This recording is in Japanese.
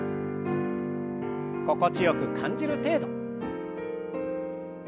心地よく感じる程度。